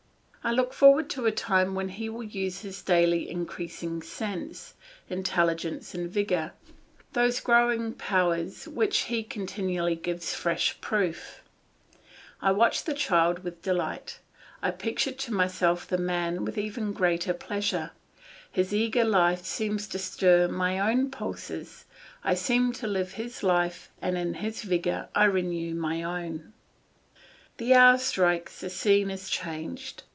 I look forward to a time when he will use his daily increasing sense, intelligence and vigour, those growing powers of which he continually gives fresh proof. I watch the child with delight, I picture to myself the man with even greater pleasure. His eager life seems to stir my own pulses, I seem to live his life and in his vigour I renew my own. The hour strikes, the scene is changed.